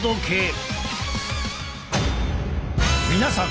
皆さん